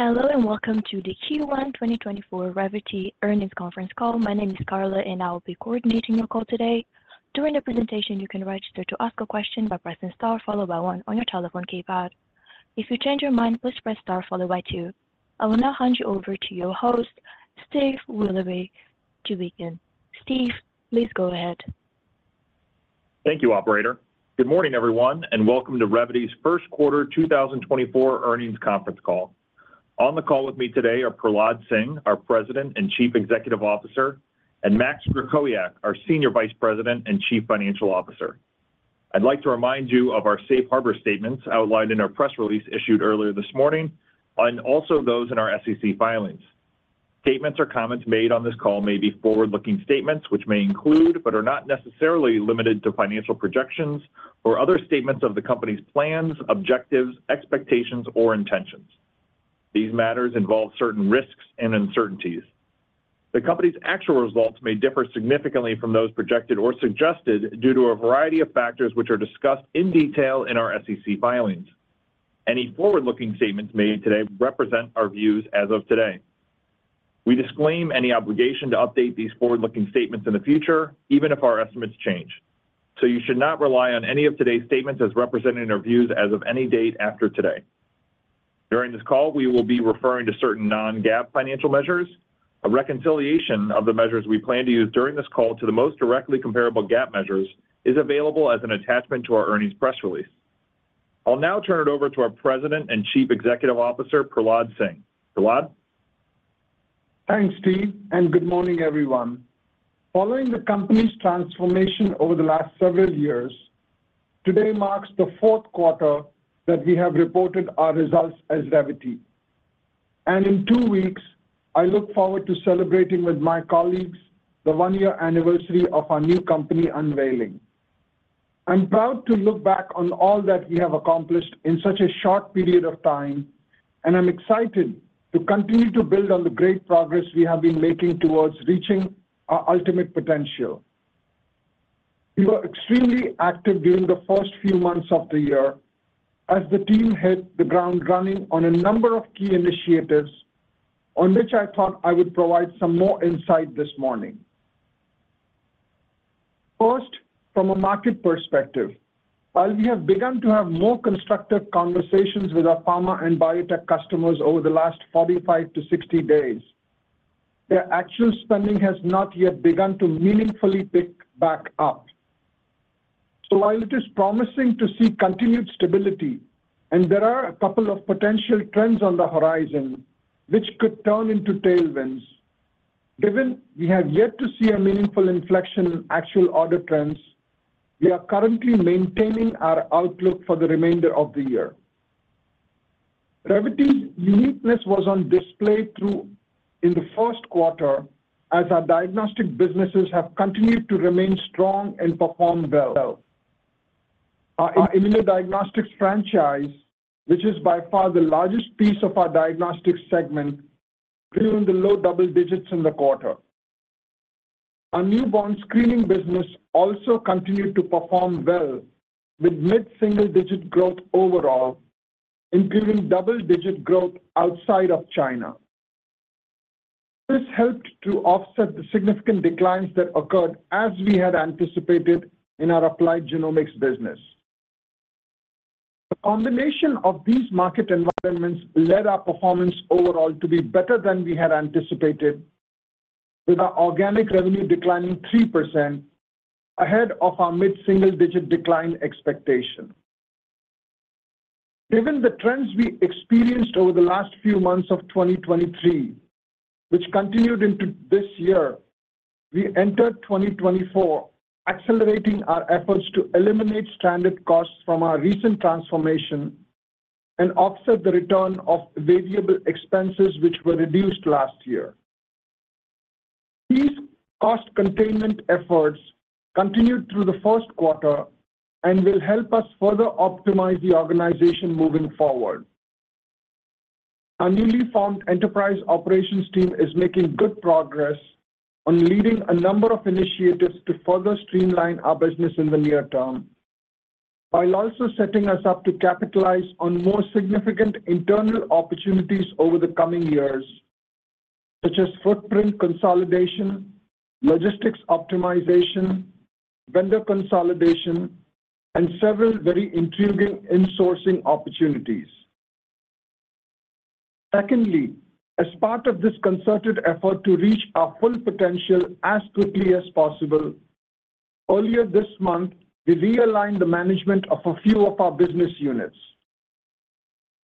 Hello and welcome to the Q1 2024 Revvity Earnings Conference Call. My name is Karla, and I will be coordinating your call today. During the presentation, you can register to ask a question by pressing star followed by one on your telephone keypad. If you change your mind, please press star followed by two. I will now hand you over to your host, Steve Willoughby, to begin. Steve, please go ahead. Thank you, operator. Good morning, everyone, and welcome to Revvity's First Quarter 2024 Earnings Conference Call. On the call with me today are Prahlad Singh, our President and Chief Executive Officer, and Max Krakowiak, our Senior Vice President and Chief Financial Officer. I'd like to remind you of our safe harbor statements outlined in our press release issued earlier this morning and also those in our SEC filings. Statements or comments made on this call may be forward-looking statements which may include but are not necessarily limited to financial projections or other statements of the company's plans, objectives, expectations, or intentions. These matters involve certain risks and uncertainties. The company's actual results may differ significantly from those projected or suggested due to a variety of factors which are discussed in detail in our SEC filings. Any forward-looking statements made today represent our views as of today. We disclaim any obligation to update these forward-looking statements in the future, even if our estimates change, so you should not rely on any of today's statements as representing our views as of any date after today. During this call, we will be referring to certain non-GAAP financial measures. A reconciliation of the measures we plan to use during this call to the most directly comparable GAAP measures is available as an attachment to our earnings press release. I'll now turn it over to our President and Chief Executive Officer, Prahlad Singh. Prahlad? Thanks, Steve, and good morning, everyone. Following the company's transformation over the last several years, today marks the fourth quarter that we have reported our results as Revvity. In two weeks, I look forward to celebrating with my colleagues the one-year anniversary of our new company unveiling. I'm proud to look back on all that we have accomplished in such a short period of time, and I'm excited to continue to build on the great progress we have been making towards reaching our ultimate potential. We were extremely active during the first few months of the year as the team hit the ground running on a number of key initiatives on which I thought I would provide some more insight this morning. First, from a market perspective, while we have begun to have more constructive conversations with our pharma and biotech customers over the last 45-60 days, their actual spending has not yet begun to meaningfully pick back up. So while it is promising to see continued stability and there are a couple of potential trends on the horizon which could turn into tailwinds, given we have yet to see a meaningful inflection in actual order trends, we are currently maintaining our outlook for the remainder of the year. Revvity's uniqueness was on display in the first quarter as our diagnostic businesses have continued to remain strong and perform well. Our Immunodiagnostics franchise, which is by far the largest piece of our diagnostics segment, drew in the low double digits in the quarter. Our newborn screening business also continued to perform well with mid-single-digit growth overall, including double-digit growth outside of China. This helped to offset the significant declines that occurred as we had anticipated in our applied genomics business. The combination of these market environments led our performance overall to be better than we had anticipated, with our organic revenue declining 3% ahead of our mid-single-digit decline expectation. Given the trends we experienced over the last few months of 2023, which continued into this year, we entered 2024 accelerating our efforts to eliminate standard costs from our recent transformation and offset the return of variable expenses which were reduced last year. These cost containment efforts continued through the first quarter and will help us further optimize the organization moving forward. Our newly formed enterprise operations team is making good progress on leading a number of initiatives to further streamline our business in the near term, while also setting us up to capitalize on more significant internal opportunities over the coming years, such as footprint consolidation, logistics optimization, vendor consolidation, and several very intriguing insourcing opportunities. Secondly, as part of this concerted effort to reach our full potential as quickly as possible, earlier this month we realigned the management of a few of our business units.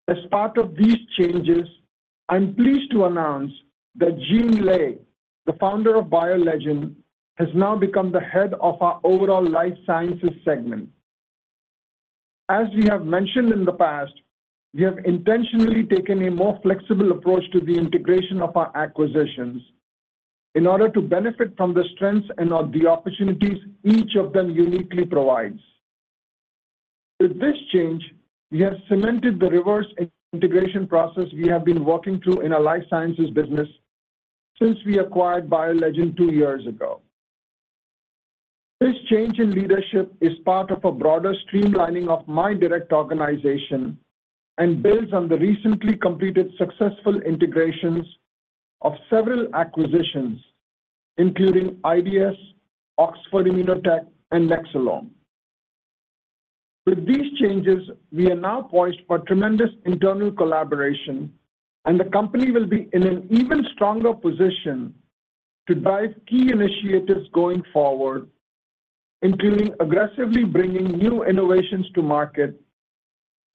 As part of these changes, I'm pleased to announce that Gene Lay, the founder of BioLegend, has now become the head of our overall life sciences segment. As we have mentioned in the past, we have intentionally taken a more flexible approach to the integration of our acquisitions in order to benefit from the strengths and/or the opportunities each of them uniquely provides. With this change, we have cemented the reverse integration process we have been working through in our life sciences business since we acquired BioLegend two years ago. This change in leadership is part of a broader streamlining of my direct organization and builds on the recently completed successful integrations of several acquisitions, including IDS, Oxford Immunotec, and Nexcelom. With these changes, we are now poised for tremendous internal collaboration, and the company will be in an even stronger position to drive key initiatives going forward, including aggressively bringing new innovations to market,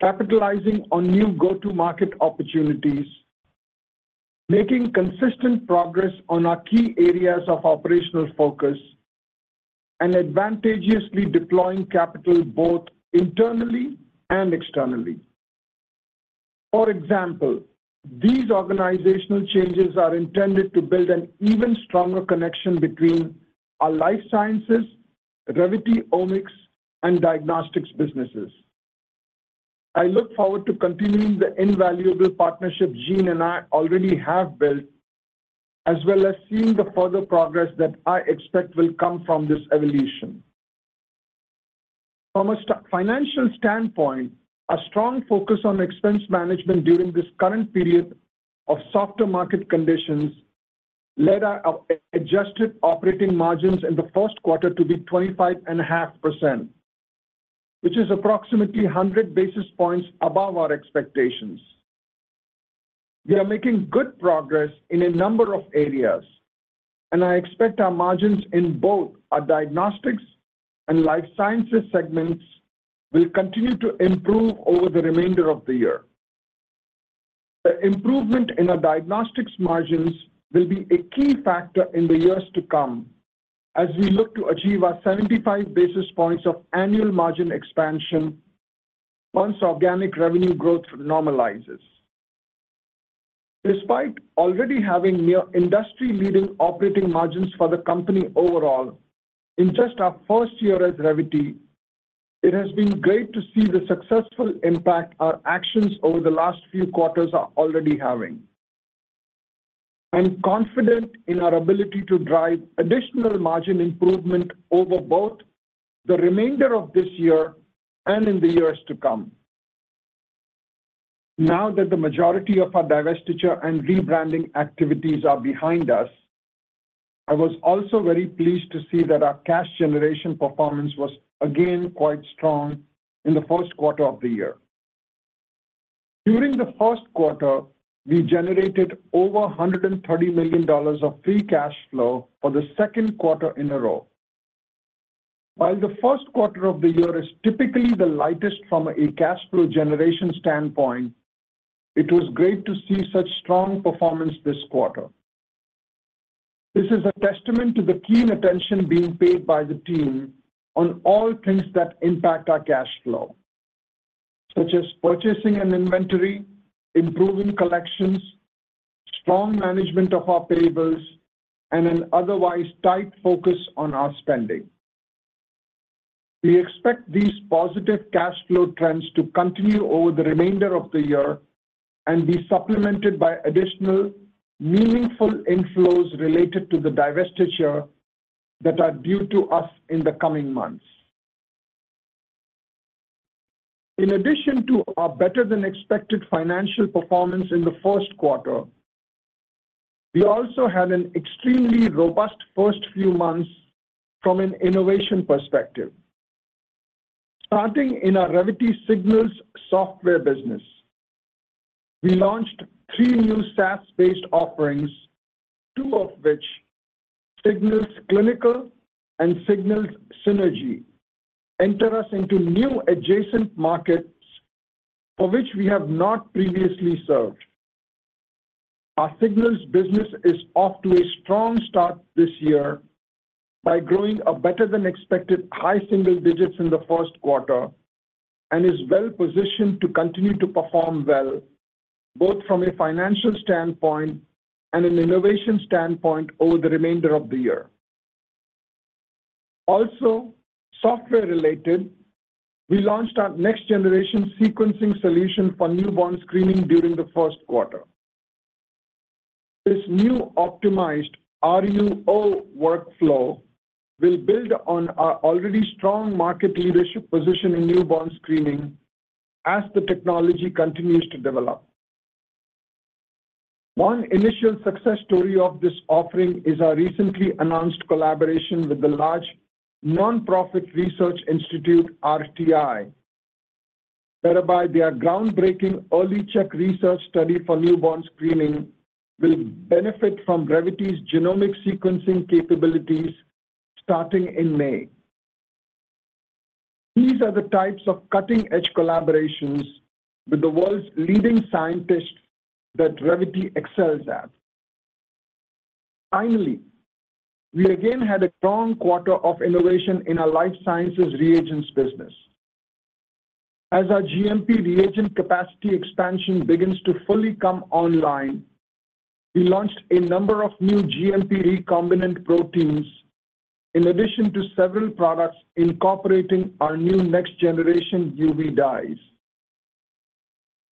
capitalizing on new go-to-market opportunities, making consistent progress on our key areas of operational focus, and advantageously deploying capital both internally and externally. For example, these organizational changes are intended to build an even stronger connection between our life sciences, Revvity Omics, and diagnostics businesses. I look forward to continuing the invaluable partnership Gene and I already have built, as well as seeing the further progress that I expect will come from this evolution. From a financial standpoint, a strong focus on expense management during this current period of softer market conditions led our adjusted operating margins in the first quarter to be 25.5%, which is approximately 100 basis points above our expectations. We are making good progress in a number of areas, and I expect our margins in both our diagnostics and life sciences segments will continue to improve over the remainder of the year. The improvement in our diagnostics margins will be a key factor in the years to come as we look to achieve our 75 basis points of annual margin expansion once organic revenue growth normalizes. Despite already having near industry-leading operating margins for the company overall in just our first year as Revvity, it has been great to see the successful impact our actions over the last few quarters are already having. I'm confident in our ability to drive additional margin improvement over both the remainder of this year and in the years to come. Now that the majority of our divestiture and rebranding activities are behind us, I was also very pleased to see that our cash generation performance was again quite strong in the first quarter of the year. During the first quarter, we generated over $130 million of free cash flow for the second quarter in a row. While the first quarter of the year is typically the lightest from a cash flow generation standpoint, it was great to see such strong performance this quarter. This is a testament to the keen attention being paid by the team on all things that impact our cash flow, such as purchasing and inventory, improving collections, strong management of our payables, and an otherwise tight focus on our spending. We expect these positive cash flow trends to continue over the remainder of the year and be supplemented by additional meaningful inflows related to the divestiture that are due to us in the coming months. In addition to our better-than-expected financial performance in the first quarter, we also had an extremely robust first few months from an innovation perspective. Starting in our Revvity Signals software business, we launched three new SaaS-based offerings, two of which, Signals Clinical and Signals Synergy, enter us into new adjacent markets for which we have not previously served. Our Signals business is off to a strong start this year by growing a better-than-expected high single digits in the first quarter and is well positioned to continue to perform well both from a financial standpoint and an innovation standpoint over the remainder of the year. Also, software-related, we launched our next-generation sequencing solution for newborn screening during the first quarter. This new optimized RUO workflow will build on our already strong market leadership position in newborn screening as the technology continues to develop. One initial success story of this offering is our recently announced collaboration with the large nonprofit Research Institute (RTI). Thereby, their groundbreaking Early Check research study for newborn screening will benefit from Revvity's genomic sequencing capabilities starting in May. These are the types of cutting-edge collaborations with the world's leading scientists that Revvity excels at. Finally, we again had a strong quarter of innovation in our life sciences reagents business. As our GMP reagent capacity expansion begins to fully come online, we launched a number of new GMP recombinant proteins in addition to several products incorporating our new next-generation UV dyes.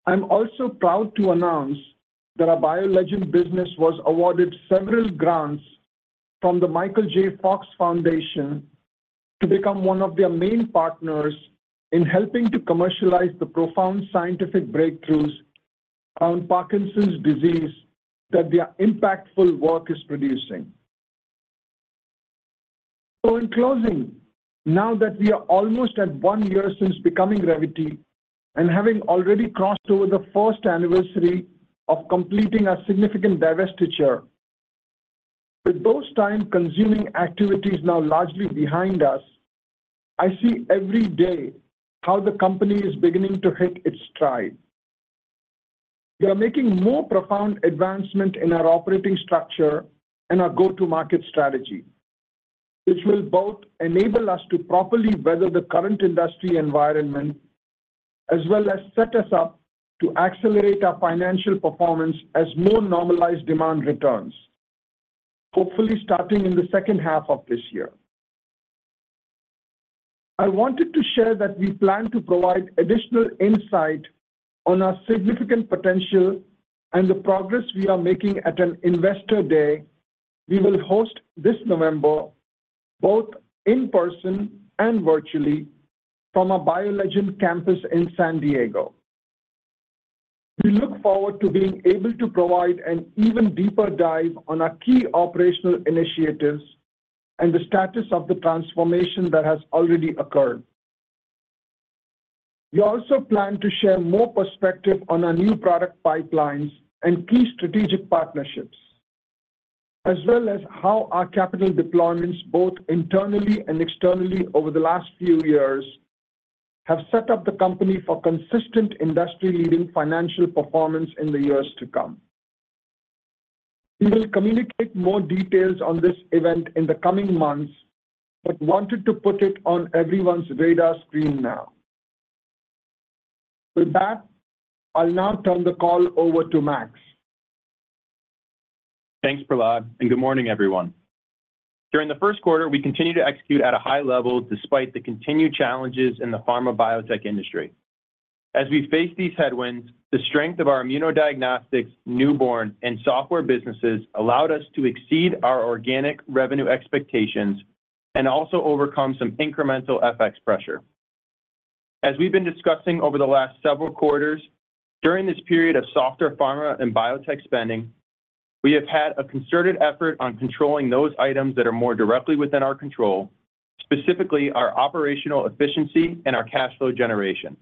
I'm also proud to announce that our BioLegend business was awarded several grants from the Michael J. Fox Foundation to become one of their main partners in helping to commercialize the profound scientific breakthroughs on Parkinson's disease that their impactful work is producing. So in closing, now that we are almost at one year since becoming Revvity and having already crossed over the first anniversary of completing our significant divestiture, with those time-consuming activities now largely behind us, I see every day how the company is beginning to hit its stride. We are making more profound advancement in our operating structure and our go-to-market strategy, which will both enable us to properly weather the current industry environment as well as set us up to accelerate our financial performance as more normalized demand returns, hopefully starting in the second half of this year. I wanted to share that we plan to provide additional insight on our significant potential and the progress we are making at an investor day we will host this November both in person and virtually from our BioLegend campus in San Diego. We look forward to being able to provide an even deeper dive on our key operational initiatives and the status of the transformation that has already occurred. We also plan to share more perspective on our new product pipelines and key strategic partnerships, as well as how our capital deployments both internally and externally over the last few years have set up the company for consistent industry-leading financial performance in the years to come. We will communicate more details on this event in the coming months but wanted to put it on everyone's radar screen now. With that, I'll now turn the call over to Max. Thanks, Prahlad, and good morning, everyone. During the first quarter, we continued to execute at a high level despite the continued challenges in the pharma biotech industry. As we faced these headwinds, the strength of our Immunodiagnostics, Newborn, and Software businesses allowed us to exceed our organic revenue expectations and also overcome some incremental FX pressure. As we've been discussing over the last several quarters, during this period of softer pharma and biotech spending, we have had a concerted effort on controlling those items that are more directly within our control, specifically our operational efficiency and our cash flow generation.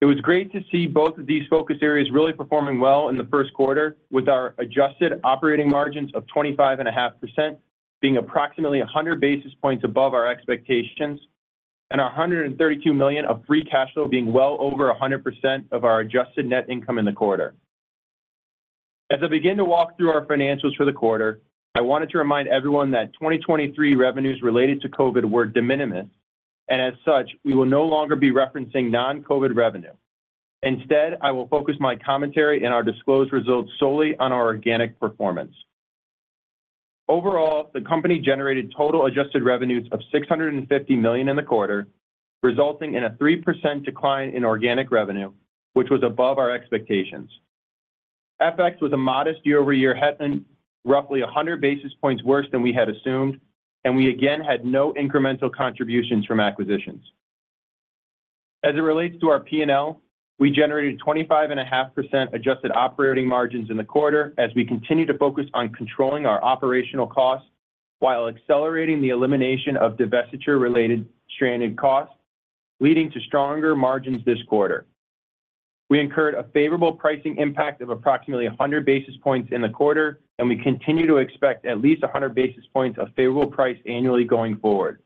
It was great to see both of these focus areas really performing well in the first quarter, with our adjusted operating margins of 25.5% being approximately 100 basis points above our expectations and our $132 million of free cash flow being well over 100% of our adjusted net income in the quarter. As I begin to walk through our financials for the quarter, I wanted to remind everyone that 2023 revenues related to COVID were de minimis, and as such, we will no longer be referencing non-COVID revenue. Instead, I will focus my commentary in our disclosed results solely on our organic performance. Overall, the company generated total adjusted revenues of $650 million in the quarter, resulting in a 3% decline in organic revenue, which was above our expectations. FX was a modest year-over-year headwind, roughly 100 basis points worse than we had assumed, and we again had no incremental contributions from acquisitions. As it relates to our P&L, we generated 25.5% adjusted operating margins in the quarter as we continue to focus on controlling our operational costs while accelerating the elimination of divestiture-related stranded costs, leading to stronger margins this quarter. We incurred a favorable pricing impact of approximately 100 basis points in the quarter, and we continue to expect at least 100 basis points of favorable price annually going forward.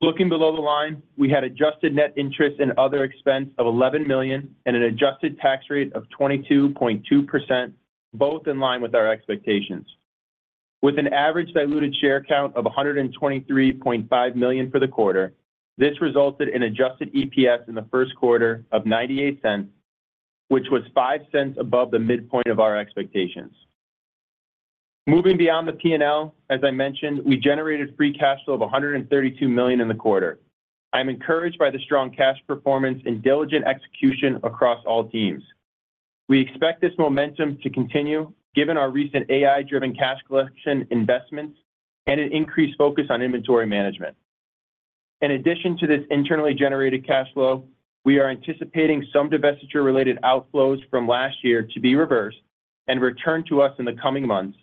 Looking below the line, we had adjusted net interest and other expense of $11 million and an adjusted tax rate of 22.2%, both in line with our expectations. With an average diluted share count of 123.5 million for the quarter, this resulted in adjusted EPS in the first quarter of $0.98, which was $0.05 above the midpoint of our expectations. Moving beyond the P&L, as I mentioned, we generated free cash flow of $132 million in the quarter. I'm encouraged by the strong cash performance and diligent execution across all teams. We expect this momentum to continue given our recent AI-driven cash collection investments and an increased focus on inventory management. In addition to this internally generated cash flow, we are anticipating some divestiture-related outflows from last year to be reversed and return to us in the coming months,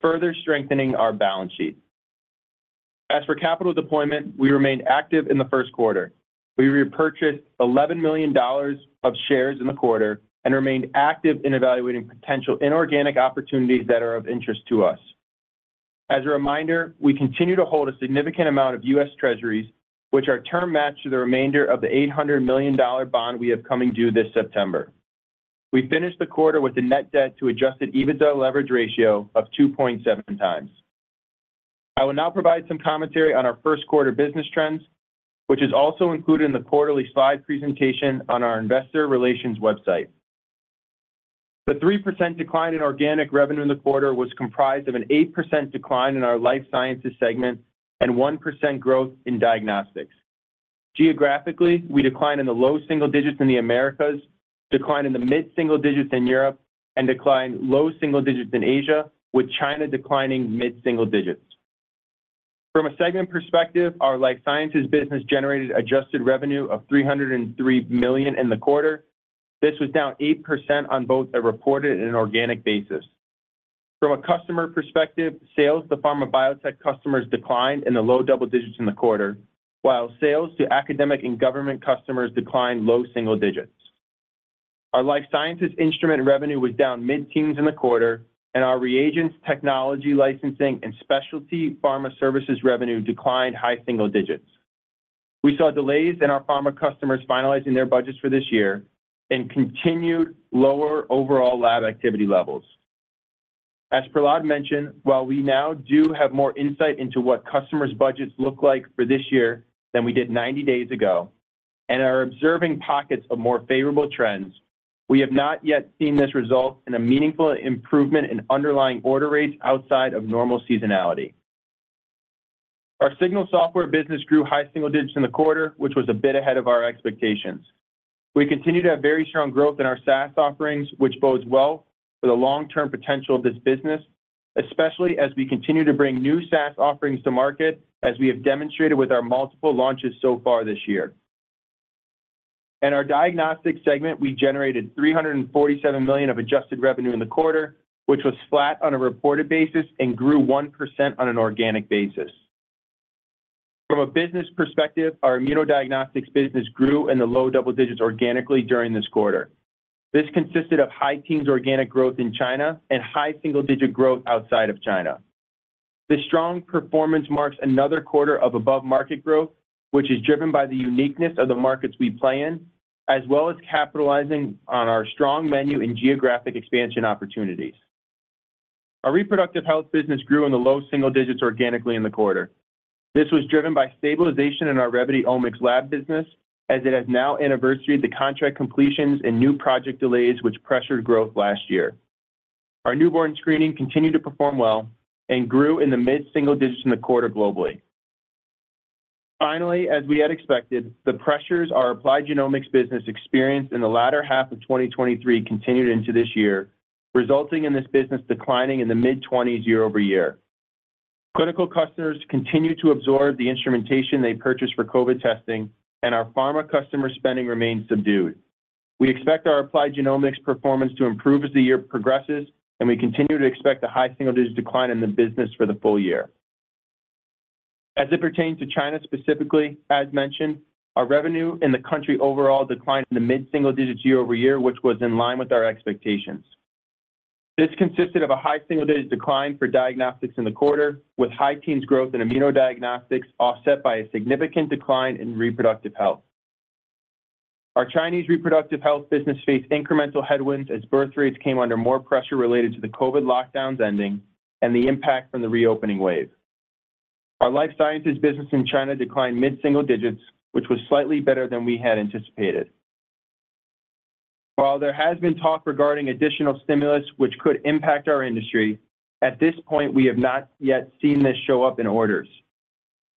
further strengthening our balance sheet. As for capital deployment, we remained active in the first quarter. We repurchased $11 million of shares in the quarter and remained active in evaluating potential inorganic opportunities that are of interest to us. As a reminder, we continue to hold a significant amount of U.S. Treasuries, which are term-matched to the remainder of the $800 million bond we have coming due this September. We finished the quarter with a net debt to adjusted EBITDA leverage ratio of 2.7x. I will now provide some commentary on our first quarter business trends, which is also included in the quarterly slide presentation on our investor relations website. The 3% decline in organic revenue in the quarter was comprised of an 8% decline in our life sciences segment and 1% growth in diagnostics. Geographically, we declined in the low single digits in the Americas, declined in the mid-single digits in Europe, and declined low single digits in Asia, with China declining mid-single digits. From a segment perspective, our life sciences business generated adjusted revenue of $303 million in the quarter. This was down 8% on both a reported and an organic basis. From a customer perspective, sales, the pharma biotech customers, declined in the low double digits in the quarter, while sales to academic and government customers declined low single digits. Our life sciences instrument revenue was down mid-teens in the quarter, and our reagents, technology licensing, and specialty pharma services revenue declined high single digits. We saw delays in our pharma customers finalizing their budgets for this year and continued lower overall lab activity levels. As Prahlad mentioned, while we now do have more insight into what customers' budgets look like for this year than we did 90 days ago and are observing pockets of more favorable trends, we have not yet seen this result in a meaningful improvement in underlying order rates outside of normal seasonality. Our Signals software business grew high single digits in the quarter, which was a bit ahead of our expectations. We continue to have very strong growth in our SaaS offerings, which bodes well for the long-term potential of this business, especially as we continue to bring new SaaS offerings to market as we have demonstrated with our multiple launches so far this year. In our diagnostics segment, we generated $347 million of adjusted revenue in the quarter, which was flat on a reported basis and grew 1% on an organic basis. From a business perspective, our immunodiagnostics business grew in the low double digits organically during this quarter. This consisted of high teens organic growth in China and high single digit growth outside of China. This strong performance marks another quarter of above-market growth, which is driven by the uniqueness of the markets we play in as well as capitalizing on our strong menu and geographic expansion opportunities. Our reproductive health business grew in the low single digits organically in the quarter. This was driven by stabilization in our Revvity Omics lab business as it has now anniversary of the contract completions and new project delays, which pressured growth last year. Our newborn screening continued to perform well and grew in the mid-single digits in the quarter globally. Finally, as we had expected, the pressures our Applied Genomics business experienced in the latter half of 2023 continued into this year, resulting in this business declining in the mid-20s year-over-year. Clinical customers continue to absorb the instrumentation they purchased for COVID testing, and our pharma customer spending remains subdued. We expect our Applied Genomics performance to improve as the year progresses, and we continue to expect a high-single-digit decline in the business for the full year. As it pertains to China specifically, as mentioned, our revenue in the country overall declined in the mid-single-digits year-over-year, which was in line with our expectations. This consisted of a high-single-digit decline for diagnostics in the quarter, with high-teens growth in Immunodiagnostics offset by a significant decline in reproductive health. Our Chinese reproductive health business faced incremental headwinds as birth rates came under more pressure related to the COVID lockdowns ending and the impact from the reopening wave. Our Life Sciences business in China declined mid-single-digits, which was slightly better than we had anticipated. While there has been talk regarding additional stimulus, which could impact our industry, at this point, we have not yet seen this show up in orders.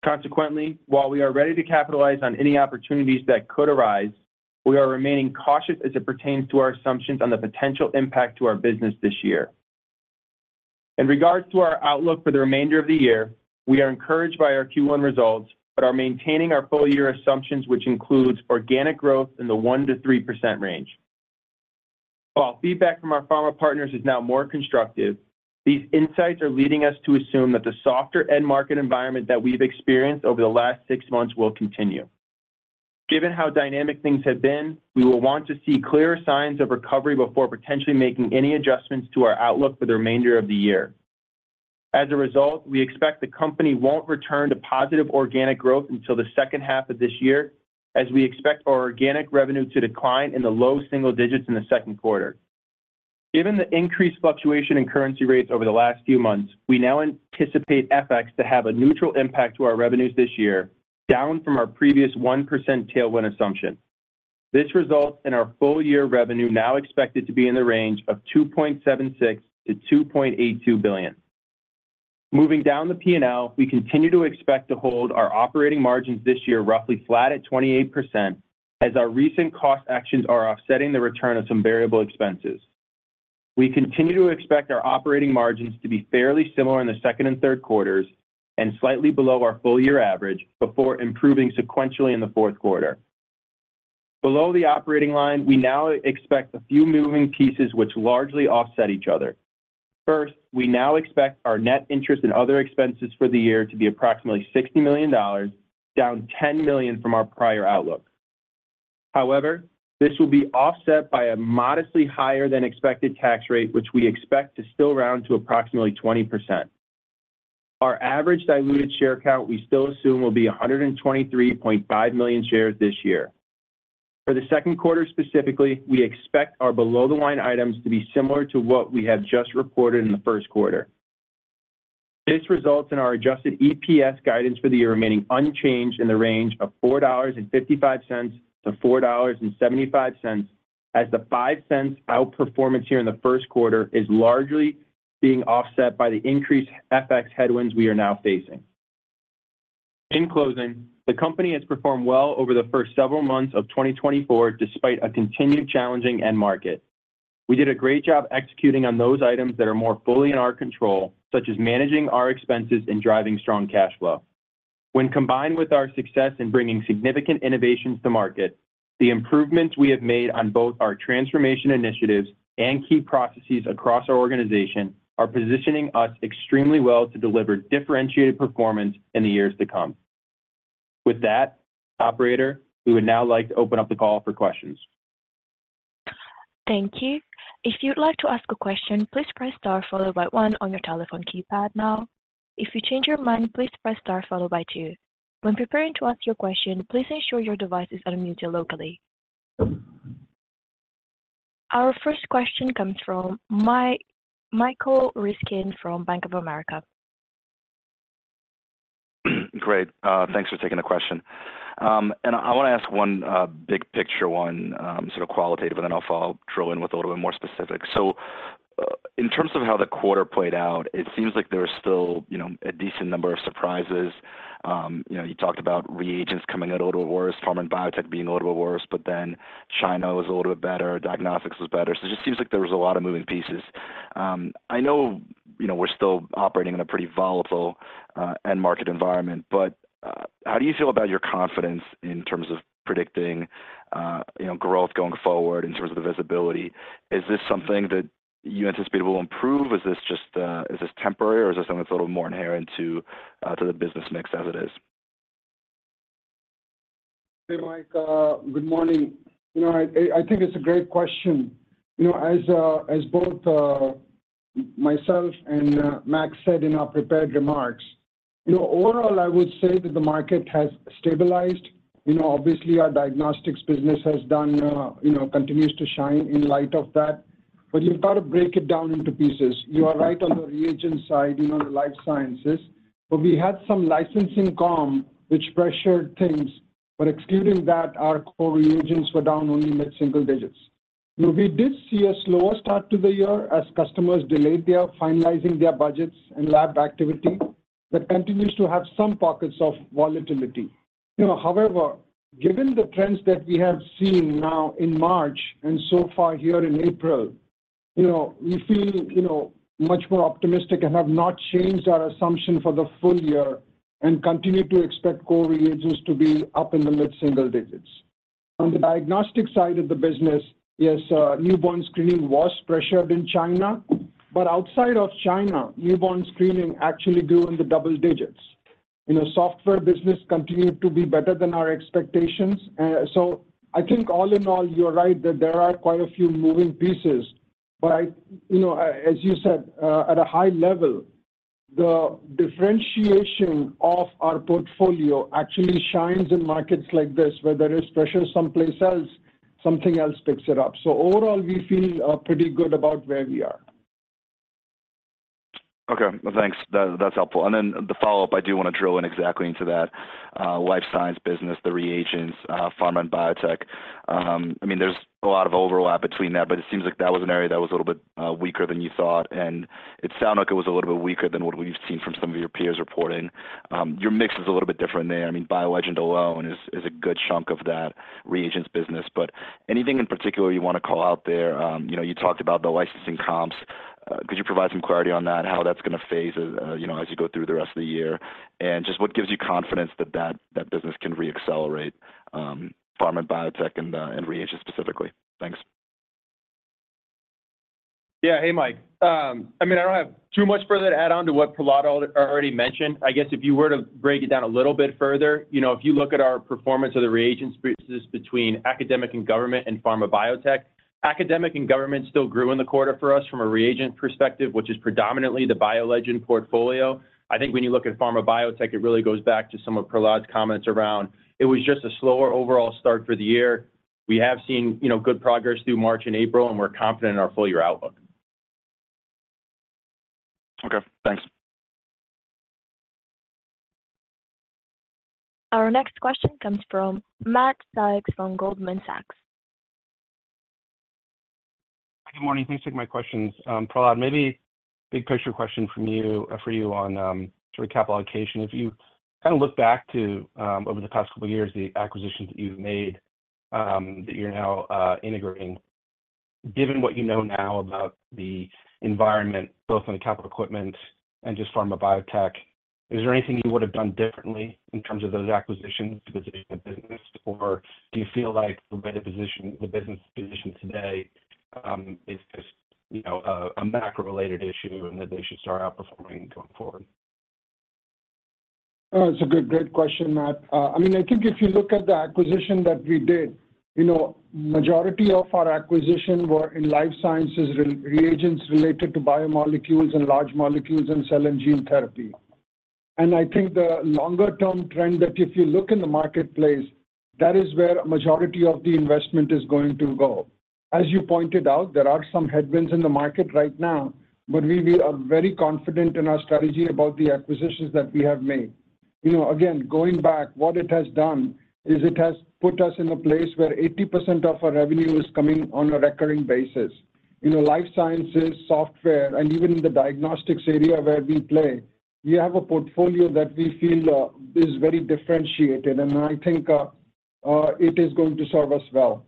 Consequently, while we are ready to capitalize on any opportunities that could arise, we are remaining cautious as it pertains to our assumptions on the potential impact to our business this year. In regard to our outlook for the remainder of the year, we are encouraged by our Q1 results, but are maintaining our full-year assumptions, which includes organic growth in the 1%-3% range. While feedback from our pharma partners is now more constructive, these insights are leading us to assume that the softer end-market environment that we've experienced over the last six months will continue. Given how dynamic things have been, we will want to see clearer signs of recovery before potentially making any adjustments to our outlook for the remainder of the year. As a result, we expect the company won't return to positive organic growth until the second half of this year, as we expect our organic revenue to decline in the low single digits in the second quarter. Given the increased fluctuation in currency rates over the last few months, we now anticipate FX to have a neutral impact to our revenues this year, down from our previous 1% tailwind assumption. This results in our full-year revenue now expected to be in the range of $2.76 billion-$2.82 billion. Moving down the P&L, we continue to expect to hold our operating margins this year roughly flat at 28% as our recent cost actions are offsetting the return of some variable expenses. We continue to expect our operating margins to be fairly similar in the second and third quarters and slightly below our full-year average before improving sequentially in the fourth quarter. Below the operating line, we now expect a few moving pieces, which largely offset each other. First, we now expect our net interest and other expenses for the year to be approximately $60 million, down $10 million from our prior outlook. However, this will be offset by a modestly higher than expected tax rate, which we expect to still round to approximately 20%. Our average diluted share count we still assume will be 123.5 million shares this year. For the second quarter specifically, we expect our below-the-line items to be similar to what we have just reported in the first quarter. This results in our adjusted EPS guidance for the year remaining unchanged in the range of $4.55-$4.75, as the 0.05 outperformance year in the first quarter is largely being offset by the increased FX headwinds we are now facing. In closing, the company has performed well over the first several months of 2024 despite a continued challenging end market. We did a great job executing on those items that are more fully in our control, such as managing our expenses and driving strong cash flow. When combined with our success in bringing significant innovations to market, the improvements we have made on both our transformation initiatives and key processes across our organization are positioning us extremely well to deliver differentiated performance in the years to come. With that, operator, we would now like to open up the call for questions. Thank you. If you'd like to ask a question, please press star followed by one on your telephone keypad now. If you change your mind, please press star followed by two. When preparing to ask your question, please ensure your device is unmuted locally. Our first question comes from Michael Ryskin from Bank of America. Great. Thanks for taking the question. I want to ask one big picture one, sort of qualitative, and then I'll follow up with a little bit more specific. In terms of how the quarter played out, it seems like there was still a decent number of surprises. You talked about reagents coming out a little bit worse, pharma and biotech being a little bit worse, but then China was a little bit better, diagnostics was better. It just seems like there was a lot of moving pieces. I know we're still operating in a pretty volatile end-market environment, but how do you feel about your confidence in terms of predicting growth going forward in terms of the visibility? Is this something that you anticipate will improve? Is this just temporary, or is this something that's a little more inherent to the business mix as it is? Hey, Mike. Good morning. I think it's a great question. As both myself and Max said in our prepared remarks, overall, I would say that the market has stabilized. Obviously, our diagnostics business continues to shine in light of that. But you've got to break it down into pieces. You are right on the reagent side, the life sciences. But we had some licensing income, which pressured things. But excluding that, our core reagents were down only mid-single digits. We did see a slower start to the year as customers delayed finalizing their budgets and lab activity that continues to have some pockets of volatility. However, given the trends that we have seen now in March and so far here in April, we feel much more optimistic and have not changed our assumption for the full year and continue to expect core reagents to be up in the mid-single digits. On the diagnostic side of the business, yes, newborn screening was pressured in China. But outside of China, newborn screening actually grew in the double digits. Software business continued to be better than our expectations. So I think all in all, you're right that there are quite a few moving pieces. But as you said, at a high level, the differentiation of our portfolio actually shines in markets like this. Where there is pressure someplace else, something else picks it up. So overall, we feel pretty good about where we are. Okay. Well, thanks. That's helpful. And then the follow-up, I do want to drill in exactly into that: life science business, the reagents, pharma, and biotech. I mean, there's a lot of overlap between that, but it seems like that was an area that was a little bit weaker than you thought. And it sounded like it was a little bit weaker than what we've seen from some of your peers reporting. Your mix is a little bit different there. I mean, BioLegend alone is a good chunk of that reagents business. But anything in particular you want to call out there? You talked about the licensing comps. Could you provide some clarity on that, how that's going to phase as you go through the rest of the year, and just what gives you confidence that that business can reaccelerate, pharma and biotech and reagents specifically? Thanks. Yeah. Hey, Mike. I mean, I don't have too much further to add on to what Prahlad already mentioned. I guess if you were to break it down a little bit further, if you look at our performance of the reagents business between academic and government and pharma biotech, academic and government still grew in the quarter for us from a reagent perspective, which is predominantly the BioLegend portfolio. I think when you look at pharma biotech, it really goes back to some of Prahlad's comments around it was just a slower overall start for the year. We have seen good progress through March and April, and we're confident in our full-year outlook. Okay. Thanks. Our next question comes from Matt Sykes from Goldman Sachs. Good morning. Thanks for taking my questions. Prahlad, maybe big picture question for you on sort of capital allocation. If you kind of look back over the past couple of years, the acquisitions that you've made that you're now integrating, given what you know now about the environment, both on the capital equipment and just pharma biotech, is there anything you would have done differently in terms of those acquisitions because it's a business? Or do you feel like the way the business is positioned today is just a macro-related issue and that they should start outperforming going forward? It's a great question, Matt. I mean, I think if you look at the acquisition that we did, majority of our acquisition were in life sciences reagents related to biomolecules and large molecules and cell and gene therapy. And I think the longer-term trend that if you look in the marketplace, that is where a majority of the investment is going to go. As you pointed out, there are some headwinds in the market right now, but we are very confident in our strategy about the acquisitions that we have made. Again, going back, what it has done is it has put us in a place where 80% of our revenue is coming on a recurring basis. Life sciences, software, and even in the diagnostics area where we play, we have a portfolio that we feel is very differentiated, and I think it is going to serve us well.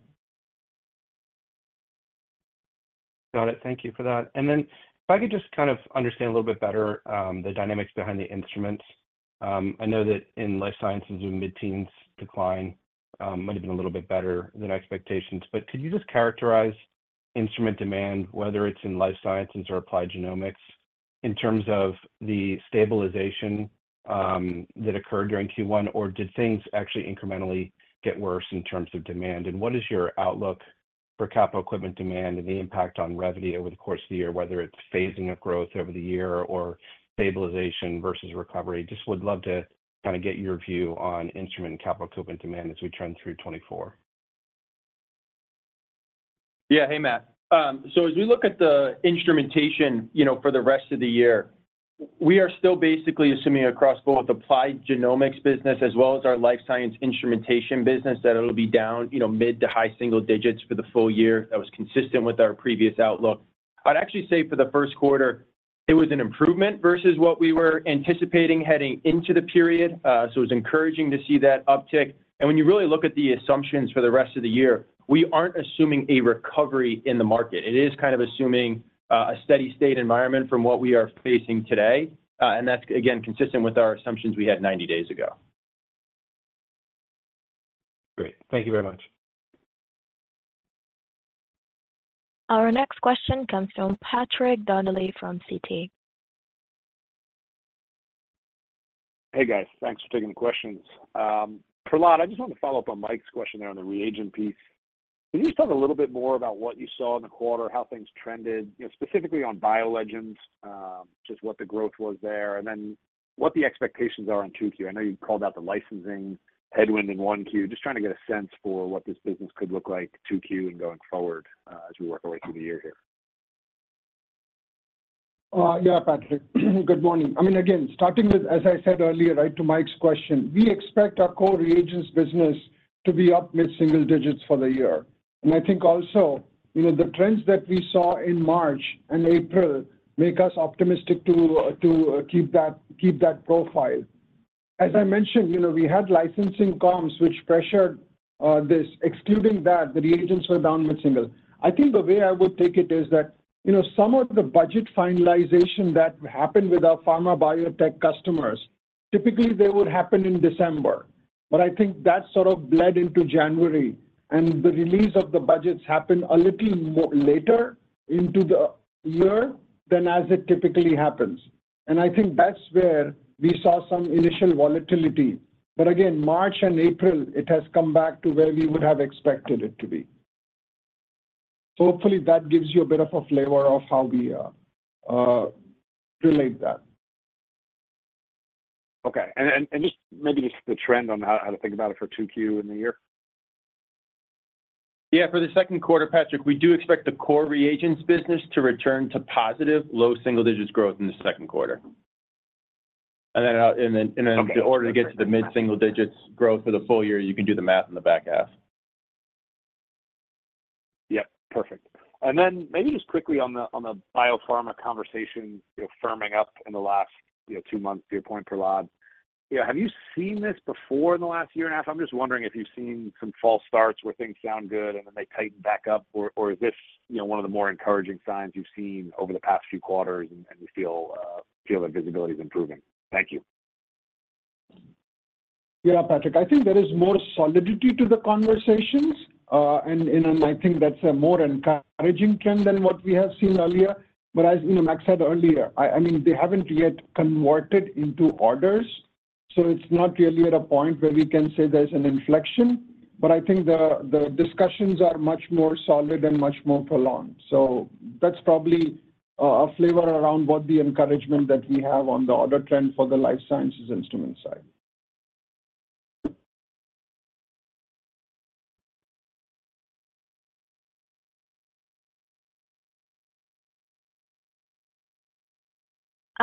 Got it. Thank you for that. And then if I could just kind of understand a little bit better the dynamics behind the instruments. I know that in life sciences, the mid-teens decline might have been a little bit better than expectations. But could you just characterize instrument demand, whether it's in life sciences or applied genomics, in terms of the stabilization that occurred during Q1? Or did things actually incrementally get worse in terms of demand? And what is your outlook for capital equipment demand and the impact on revenue over the course of the year, whether it's phasing of growth over the year or stabilization versus recovery? Just would love to kind of get your view on instrument and capital equipment demand as we trend through 2024. Yeah. Hey, Matt. So as we look at the instrumentation for the rest of the year, we are still basically assuming across both the Applied Genomics business as well as our Life Sciences instrumentation business that it'll be down mid- to high-single digits for the full year. That was consistent with our previous outlook. I'd actually say for the first quarter, it was an improvement versus what we were anticipating heading into the period. So it was encouraging to see that uptick. And when you really look at the assumptions for the rest of the year, we aren't assuming a recovery in the market. It is kind of assuming a steady state environment from what we are facing today. And that's, again, consistent with our assumptions we had 90 days ago. Great. Thank you very much. Our next question comes from Patrick Donnelly from Citi. Hey, guys. Thanks for taking the questions. Prahlad, I just wanted to follow up on Mike's question there on the reagent piece. Can you just talk a little bit more about what you saw in the quarter, how things trended, specifically on BioLegend's, just what the growth was there, and then what the expectations are on 2Q? I know you called out the licensing headwind in 1Q, just trying to get a sense for what this business could look like 2Q and going forward as we work our way through the year here. Yeah, Patrick. Good morning. I mean, again, starting with, as I said earlier, right, to Mike's question, we expect our core reagents business to be up mid-single digits for the year. And I think also the trends that we saw in March and April make us optimistic to keep that profile. As I mentioned, we had licensing comps, which pressured this. Excluding that, the reagents were down mid-single. I think the way I would take it is that some of the budget finalization that happened with our pharma biotech customers, typically, they would happen in December. But I think that sort of bled into January, and the release of the budgets happened a little later into the year than as it typically happens. And I think that's where we saw some initial volatility. But again, March and April, it has come back to where we would have expected it to be. Hopefully, that gives you a bit of a flavor of how we relate that. Okay. And maybe just the trend on how to think about it for 2Q in the year? Yeah. For the second quarter, Patrick, we do expect the core reagents business to return to positive, low single digits growth in the second quarter. And then in order to get to the mid-single digits growth for the full year, you can do the math in the back half. Yep. Perfect. And then maybe just quickly on the biopharma conversation firming up in the last two months, to your point, Prahlad, have you seen this before in the last year and a half? I'm just wondering if you've seen some false starts where things sound good and then they tighten back up, or is this one of the more encouraging signs you've seen over the past few quarters and you feel their visibility is improving? Thank you. Yeah, Patrick. I think there is more solidity to the conversations, and I think that's a more encouraging trend than what we have seen earlier. But as Max said earlier, I mean, they haven't yet converted into orders. So it's not really at a point where we can say there's an inflection. But I think the discussions are much more solid and much more prolonged. So that's probably a flavor around what the encouragement that we have on the order trend for the life sciences instrument side.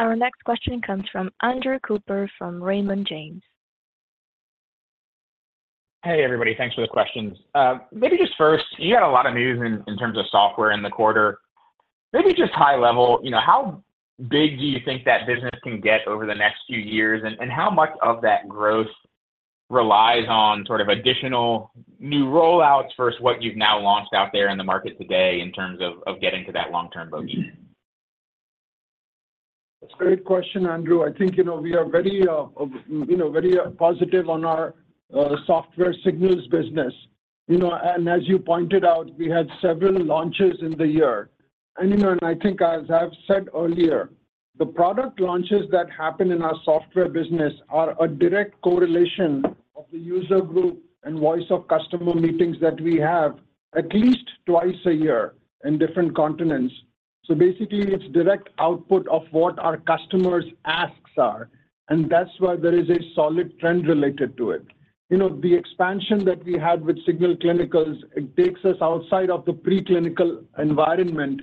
Our next question comes from Andrew Cooper from Raymond James. Hey, everybody. Thanks for the questions. Maybe just first, you had a lot of news in terms of software in the quarter. Maybe just high level, how big do you think that business can get over the next few years, and how much of that growth relies on sort of additional new rollouts versus what you've now launched out there in the market today in terms of getting to that long-term bogey? That's a great question, Andrew. I think we are very positive on our software Signals business. As you pointed out, we had several launches in the year. I think, as I've said earlier, the product launches that happen in our software business are a direct correlation of the user group and voice of customer meetings that we have at least twice a year in different continents. So basically, it's direct output of what our customers' asks are. That's why there is a solid trend related to it. The expansion that we had with Signals Clinical, it takes us outside of the preclinical environment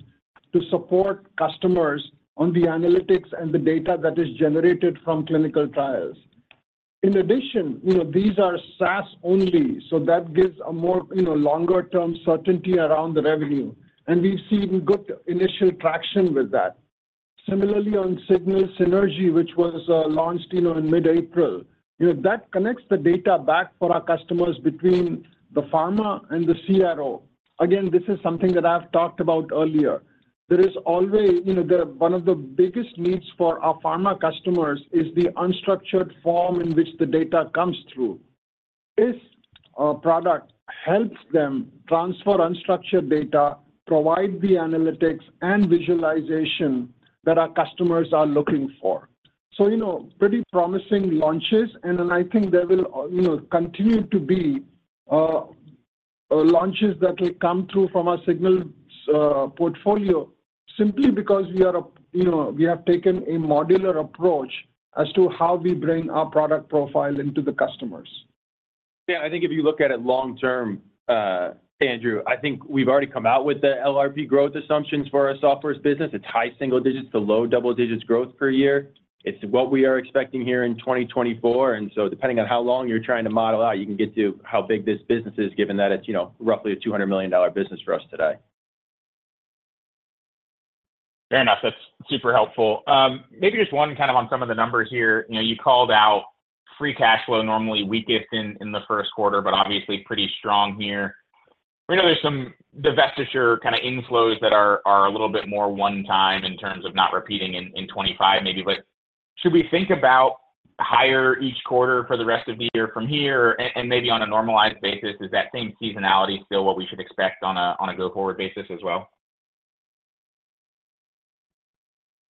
to support customers on the analytics and the data that is generated from clinical trials. In addition, these are SaaS-only, so that gives a longer-term certainty around the revenue. We've seen good initial traction with that. Similarly, on Signals Synergy, which was launched in mid-April, that connects the data back for our customers between the pharma and the CRO. Again, this is something that I've talked about earlier. There is always one of the biggest needs for our pharma customers is the unstructured form in which the data comes through. If a product helps them transfer unstructured data, provide the analytics, and visualization that our customers are looking for. So pretty promising launches, and then I think there will continue to be launches that will come through from our Signals portfolio simply because we have taken a modular approach as to how we bring our product profile into the customers. Yeah. I think if you look at it long-term, Andrew, I think we've already come out with the LRP growth assumptions for our software business. It's high single digits to low double digits growth per year. It's what we are expecting here in 2024. And so depending on how long you're trying to model out, you can get to how big this business is, given that it's roughly a $200 million business for us today. Fair enough. That's super helpful. Maybe just one kind of on some of the numbers here. You called out free cash flow normally weakest in the first quarter, but obviously pretty strong here. We know there's some divestiture kind of inflows that are a little bit more one-time in terms of not repeating in 2025 maybe. But should we think about higher each quarter for the rest of the year from here, and maybe on a normalized basis? Is that same seasonality still what we should expect on a go-forward basis as well?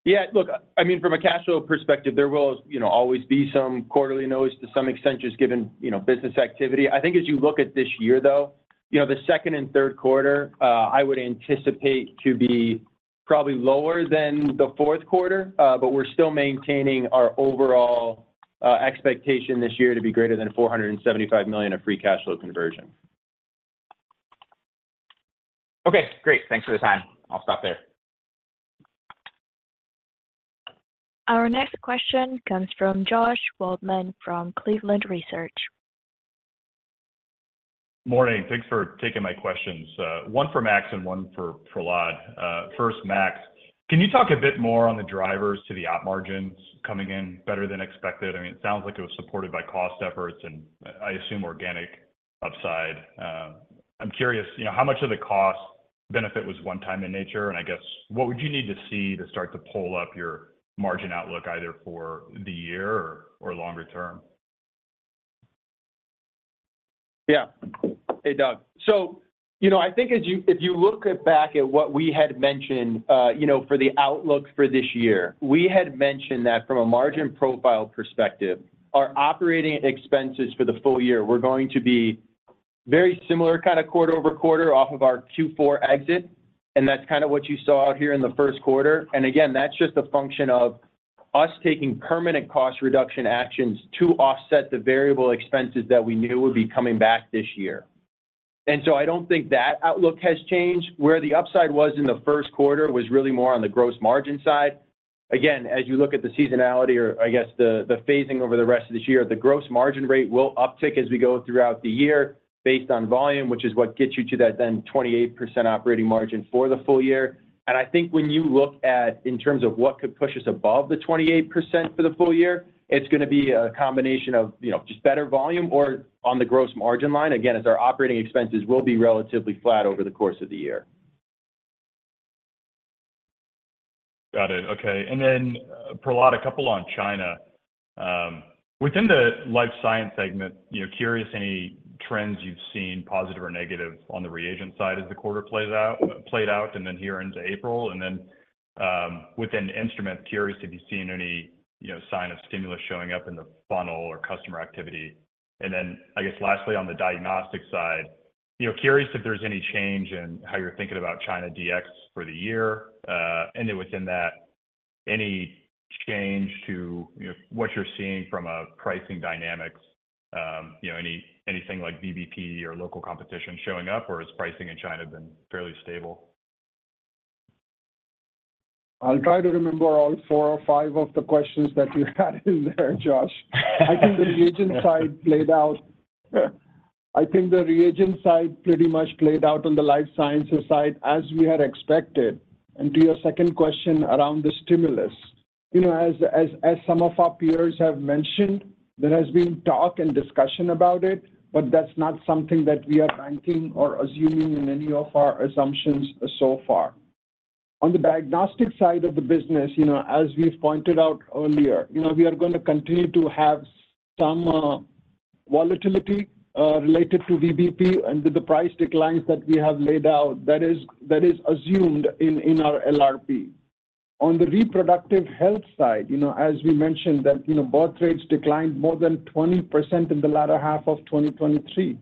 Yeah. Look, I mean, from a cash flow perspective, there will always be some quarterly noise to some extent just given business activity. I think as you look at this year, though, the second and third quarter, I would anticipate to be probably lower than the fourth quarter, but we're still maintaining our overall expectation this year to be greater than $475 million of free cash flow conversion. Okay. Great. Thanks for the time. I'll stop there. Our next question comes from Josh Waldman from Cleveland Research. Morning. Thanks for taking my questions. One for Max and one for Prahlad. First, Max, can you talk a bit more on the drivers to the op margins coming in better than expected? I mean, it sounds like it was supported by cost efforts and I assume organic upside. I'm curious, how much of the cost benefit was one-time in nature? And I guess, what would you need to see to start to pull up your margin outlook either for the year or longer term? Yeah. Hey, Josh. So I think if you look back at what we had mentioned for the outlook for this year, we had mentioned that from a margin profile perspective, our operating expenses for the full year were going to be very similar kind of quarter over quarter off of our Q4 exit. And that's kind of what you saw out here in the first quarter. And again, that's just a function of us taking permanent cost reduction actions to offset the variable expenses that we knew would be coming back this year. And so I don't think that outlook has changed. Where the upside was in the first quarter was really more on the gross margin side. Again, as you look at the seasonality or I guess the phasing over the rest of the year, the gross margin rate will uptick as we go throughout the year based on volume, which is what gets you to that then 28% operating margin for the full year. And I think when you look at in terms of what could push us above the 28% for the full year, it's going to be a combination of just better volume or on the gross margin line. Again, as our operating expenses will be relatively flat over the course of the year. Got it. Okay. And then Prahlad, a couple on China. Within the life science segment, curious any trends you've seen positive or negative on the reagent side as the quarter played out and then here into April? And then within instruments, curious if you've seen any sign of stimulus showing up in the funnel or customer activity. And then I guess lastly, on the diagnostic side, curious if there's any change in how you're thinking about China DX for the year. And then within that, any change to what you're seeing from a pricing dynamics, anything like VBP or local competition showing up, or has pricing in China been fairly stable? I'll try to remember all four or five of the questions that you had in there, Josh. I think the reagent side played out I think the reagent side pretty much played out on the life sciences side as we had expected. And to your second question around the stimulus, as some of our peers have mentioned, there has been talk and discussion about it, but that's not something that we are ranking or assuming in any of our assumptions so far. On the diagnostic side of the business, as we've pointed out earlier, we are going to continue to have some volatility related to VBP, and the price declines that we have laid out, that is assumed in our LRP. On the reproductive health side, as we mentioned, that birth rates declined more than 20% in the latter half of 2023.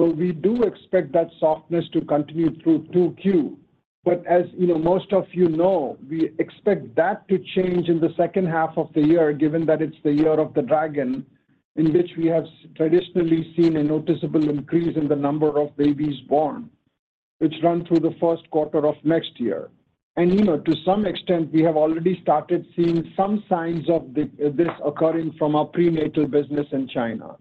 So we do expect that softness to continue through 2Q. But as most of you know, we expect that to change in the second half of the year, given that it's the year of the dragon in which we have traditionally seen a noticeable increase in the number of babies born, which run through the first quarter of next year. And to some extent, we have already started seeing some signs of this occurring from our prenatal business in China.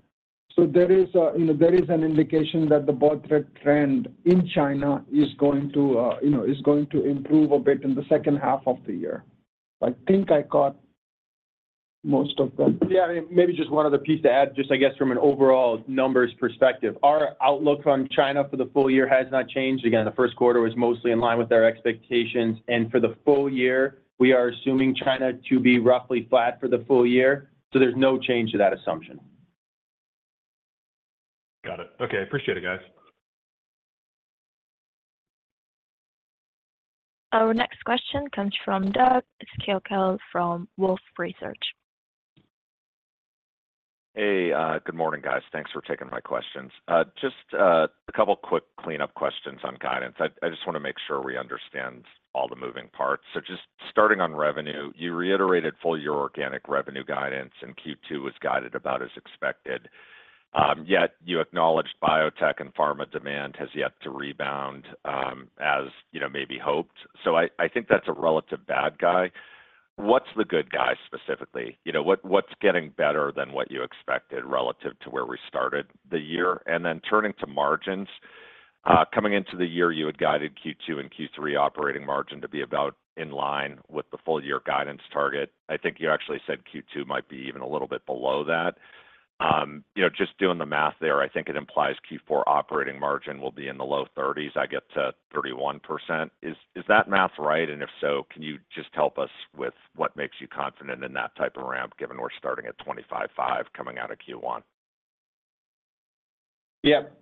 So there is an indication that the birth rate trend in China is going to improve a bit in the second half of the year. I think I caught most of that. Yeah. Maybe just one other piece to add, just I guess from an overall numbers perspective. Our outlook on China for the full year has not changed. Again, the first quarter was mostly in line with our expectations. For the full year, we are assuming China to be roughly flat for the full year. There's no change to that assumption. Got it. Okay. Appreciate it, guys. Our next question comes from Doug Schenkel from Wolfe Research. Hey. Good morning, guys. Thanks for taking my questions. Just a couple of quick cleanup questions on guidance. I just want to make sure we understand all the moving parts. So just starting on revenue, you reiterated full year organic revenue guidance, and Q2 was guided about as expected. Yet you acknowledged biotech and pharma demand has yet to rebound as maybe hoped. So I think that's a relative bad guy. What's the good guy specifically? What's getting better than what you expected relative to where we started the year? And then turning to margins, coming into the year, you had guided Q2 and Q3 operating margin to be about in line with the full year guidance target. I think you actually said Q2 might be even a little bit below that. Just doing the math there, I think it implies Q4 operating margin will be in the low 30s, I get to 31%. Is that math right? And if so, can you just help us with what makes you confident in that type of ramp, given we're starting at 25.5 coming out of Q1? Yep.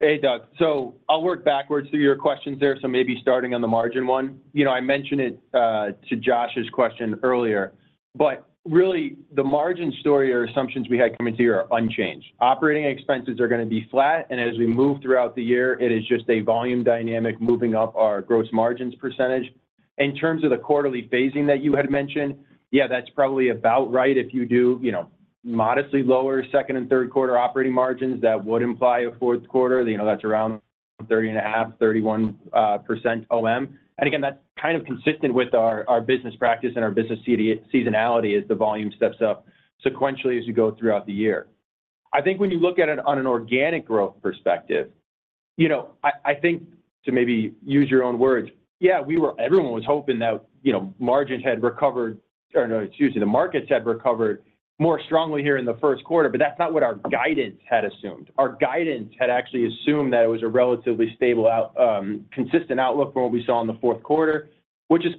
Hey, Doug. So I'll work backwards through your questions there. So maybe starting on the margin one, I mentioned it to Josh's question earlier. But really, the margin story or assumptions we had coming to you are unchanged. Operating expenses are going to be flat. And as we move throughout the year, it is just a volume dynamic moving up our gross margins percentage. In terms of the quarterly phasing that you had mentioned, yeah, that's probably about right. If you do modestly lower second and third quarter operating margins, that would imply a fourth quarter that's around 30.5, 31% OM. And again, that's kind of consistent with our business practice and our business seasonality as the volume steps up sequentially as you go throughout the year. I think when you look at it on an organic growth perspective, I think to maybe use your own words, yeah, everyone was hoping that margins had recovered or no, excuse me, the markets had recovered more strongly here in the first quarter. But that's not what our guidance had assumed. Our guidance had actually assumed that it was a relatively stable, consistent outlook from what we saw in the fourth quarter, which is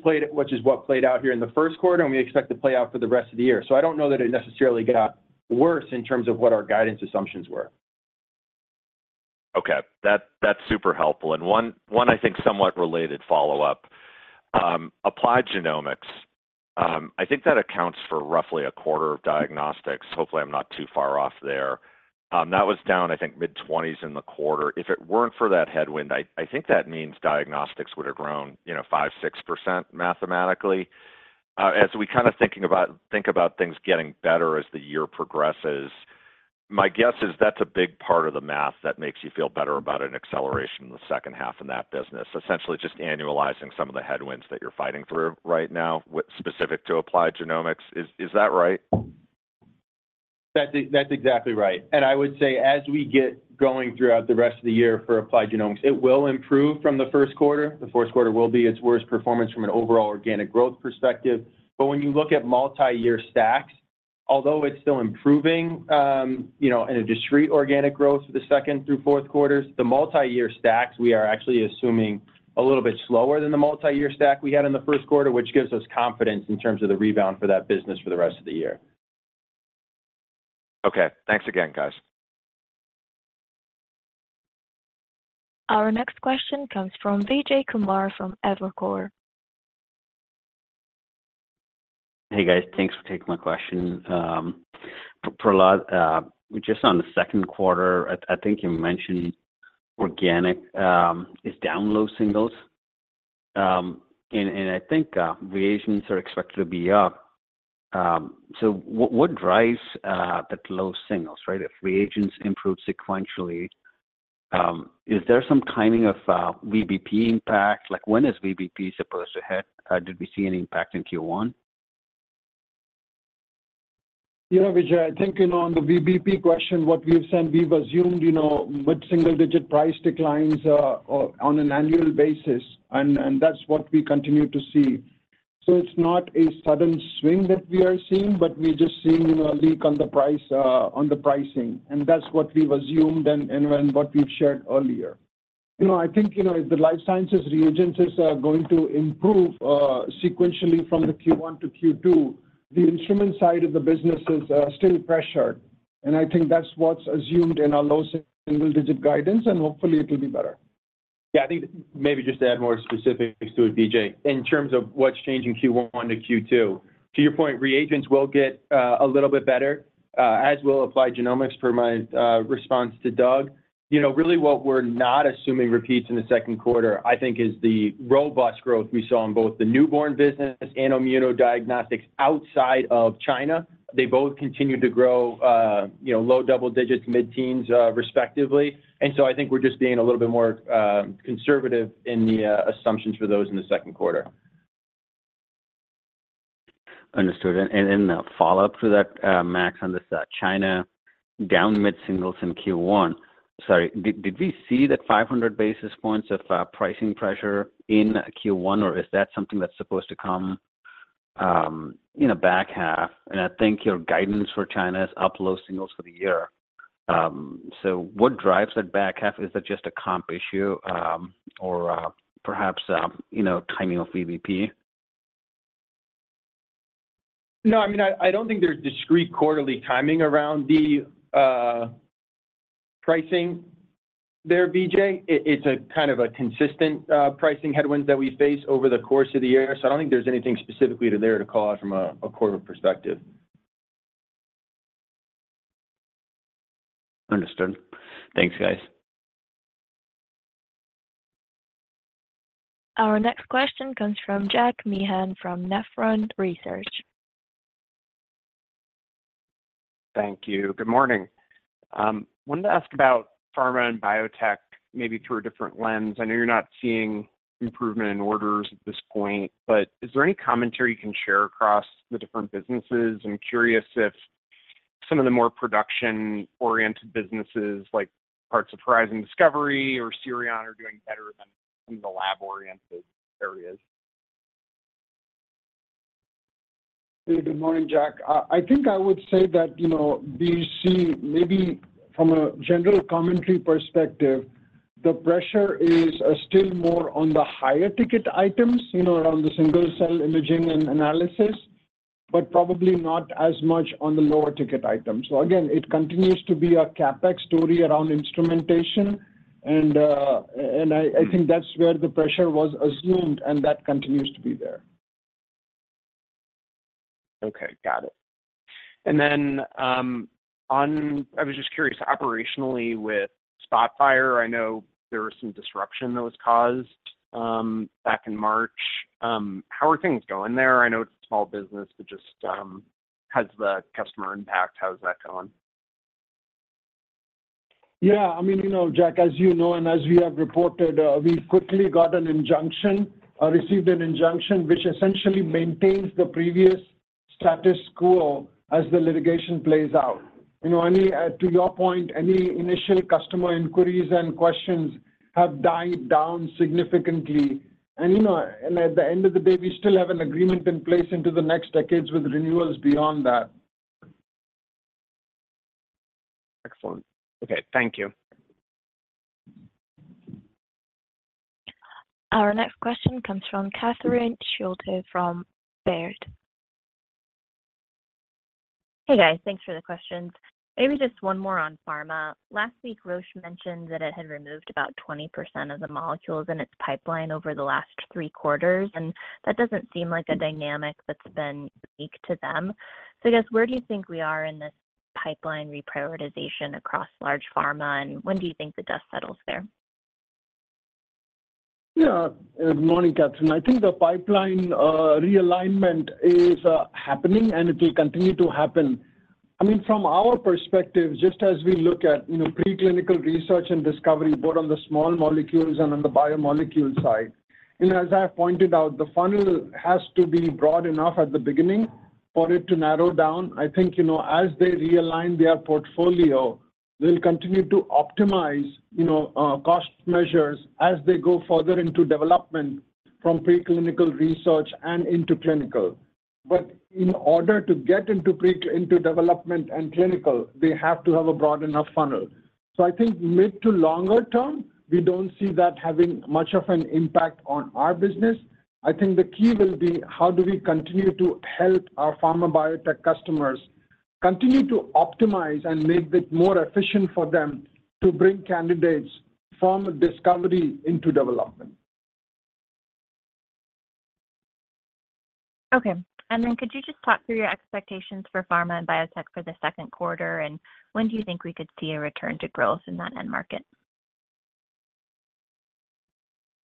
what played out here in the first quarter, and we expect to play out for the rest of the year. So I don't know that it necessarily got worse in terms of what our guidance assumptions were. Okay. That's super helpful. One, I think, somewhat related follow-up, Applied Genomics, I think that accounts for roughly a quarter of Diagnostics. Hopefully, I'm not too far off there. That was down, I think, mid-20s% in the quarter. If it weren't for that headwind, I think that means Diagnostics would have grown 5%-6% mathematically. As we kind of think about things getting better as the year progresses, my guess is that's a big part of the math that makes you feel better about an acceleration in the second half in that business, essentially just annualizing some of the headwinds that you're fighting through right now specific to Applied Genomics. Is that right? That's exactly right. And I would say as we get going throughout the rest of the year for Applied Genomics, it will improve from the first quarter. The fourth quarter will be its worst performance from an overall organic growth perspective. But when you look at multi-year stacks, although it's still improving in a discrete organic growth for the second through fourth quarters, the multi-year stacks, we are actually assuming a little bit slower than the multi-year stack we had in the first quarter, which gives us confidence in terms of the rebound for that business for the rest of the year. Okay. Thanks again, guys. Our next question comes from Vijay Kumar from Evercore. Hey, guys. Thanks for taking my question. Prahlad, just on the second quarter, I think you mentioned organic is down low singles. And I think reagents are expected to be up. So what drives that low singles, right? If reagents improve sequentially, is there some timing of VBP impact? When is VBP supposed to hit? Did we see any impact in Q1? Yeah, Vijay. I think on the VBP question, what we've sent, we've assumed mid-single digit price declines on an annual basis. And that's what we continue to see. So it's not a sudden swing that we are seeing, but we're just seeing a leak on the pricing. And that's what we've assumed and what we've shared earlier. I think if the life sciences reagents are going to improve sequentially from the Q1 to Q2, the instrument side of the business is still pressured. And I think that's what's assumed in our low single digit guidance. And hopefully, it'll be better. Yeah. I think maybe just to add more specifics to it, Vijay, in terms of what's changing Q1 to Q2, to your point, reagents will get a little bit better, as will applied genomics per my response to Doug. Really, what we're not assuming repeats in the second quarter, I think, is the robust growth we saw in both the newborn business and immunodiagnostics outside of China. They both continue to grow low double digits, mid-teens, respectively. And so I think we're just being a little bit more conservative in the assumptions for those in the second quarter. Understood. In the follow-up to that, Max, on this China down mid-singles in Q1, sorry, did we see that 500 basis points of pricing pressure in Q1, or is that something that's supposed to come in a back half? I think your guidance for China is up low singles for the year. So what drives that back half? Is that just a comp issue or perhaps timing of VBP? No. I mean, I don't think there's discrete quarterly timing around the pricing there, Vijay. It's kind of a consistent pricing headwinds that we face over the course of the year. So I don't think there's anything specifically there to call out from a quarter perspective. Understood. Thanks, guys. Our next question comes from Jack Meehan from Nephron Research. Thank you. Good morning. I wanted to ask about pharma and biotech maybe through a different lens. I know you're not seeing improvement in orders at this point, but is there any commentary you can share across the different businesses? I'm curious if some of the more production-oriented businesses like parts of Horizon Discovery or Sirion are doing better than some of the lab-oriented areas. Good morning, Jack. I think I would say that BC, maybe from a general commentary perspective, the pressure is still more on the higher-ticket items around the single-cell imaging and analysis, but probably not as much on the lower-ticket items. So again, it continues to be a CapEx story around instrumentation. I think that's where the pressure was assumed, and that continues to be there. Okay. Got it. And then I was just curious, operationally, with Spotfire, I know there was some disruption that was caused back in March. How are things going there? I know it's a small business, but just how's the customer impact? How's that going? Yeah. I mean, Jack, as you know and as we have reported, we quickly got an injunction, received an injunction, which essentially maintains the previous status quo as the litigation plays out. To your point, any initial customer inquiries and questions have died down significantly. And at the end of the day, we still have an agreement in place into the next decades with renewals beyond that. Excellent. Okay. Thank you. Our next question comes from Catherine Schulte from Baird. Hey, guys. Thanks for the questions. Maybe just one more on pharma. Last week, Roche mentioned that it had removed about 20% of the molecules in its pipeline over the last three quarters. And that doesn't seem like a dynamic that's been unique to them. So I guess where do you think we are in this pipeline reprioritization across large pharma, and when do you think the dust settles there? Yeah. Good morning, Catherine. I think the pipeline realignment is happening, and it will continue to happen. I mean, from our perspective, just as we look at preclinical research and discovery, both on the small molecules and on the biomolecule side, as I pointed out, the funnel has to be broad enough at the beginning for it to narrow down. I think as they realign their portfolio, they'll continue to optimize cost measures as they go further into development from preclinical research and into clinical. But in order to get into development and clinical, they have to have a broad enough funnel. So I think mid to longer term, we don't see that having much of an impact on our business. I think the key will be how do we continue to help our pharma biotech customers continue to optimize and make it more efficient for them to bring candidates from discovery into development. Okay. And then could you just talk through your expectations for pharma and biotech for the second quarter, and when do you think we could see a return to growth in that end market?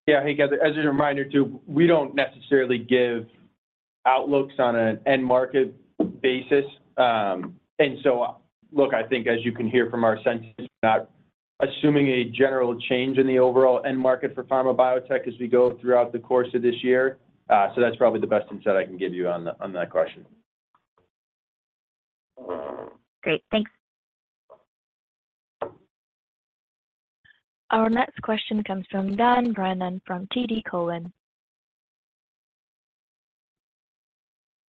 Yeah. Hey, guys. As a reminder too, we don't necessarily give outlooks on an end market basis. And so look, I think as you can hear from our sentence, we're not assuming a general change in the overall end market for pharma biotech as we go throughout the course of this year. So that's probably the best insight I can give you on that question. Great. Thanks. Our next question comes from Dan Brennan from TD Cowen.